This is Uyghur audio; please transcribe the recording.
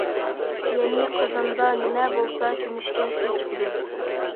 يەنى، قازاندا نېمە بولسا، چۆمۈچكە شۇ چىقىدۇ.